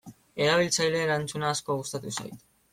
Erabiltzaileen erantzuna asko gustatu zait.